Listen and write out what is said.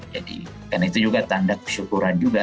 jadi karena itu juga tanda kesyukuran juga